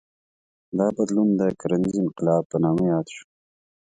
دا بدلون د کرنیز انقلاب په نامه یاد شو.